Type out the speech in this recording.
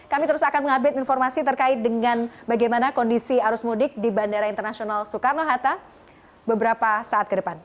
kami terus akan mengupdate informasi terkait dengan bagaimana kondisi arus mudik di bandara internasional soekarno hatta beberapa saat ke depan